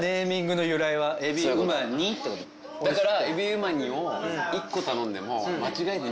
だから。